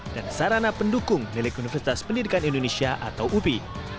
dan sarana pendukung milik universitas pendidikan indonesia atau upi